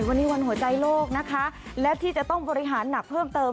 วันนี้วันหัวใจโลกนะคะและที่จะต้องบริหารหนักเพิ่มเติม